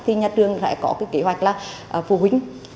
thì nhà trường sẽ có cái kế hoạch là phụ huynh